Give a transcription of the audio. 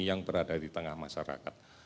yang berada di tengah masyarakat